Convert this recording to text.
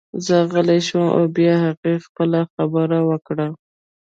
زه غلی شوم او بیا هغې خپله خبره وکړه